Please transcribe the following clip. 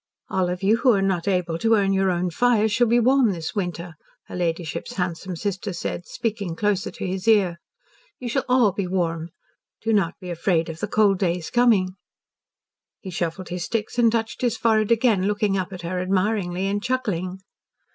"All of you who are not able to earn your own fires shall be warm this winter," her ladyship's handsome sister said, speaking closer to his ear. "You shall all be warm. Don't be afraid of the cold days coming." He shuffled his sticks and touched his forehead again, looking up at her admiringly and chuckling.